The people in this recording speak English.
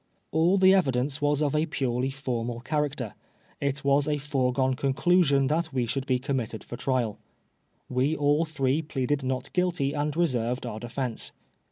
AH the evidence was of a purely formal character. It was a foregone conclusion that we should be committed for trial. We all three pleaded not guilty and reserved our defence.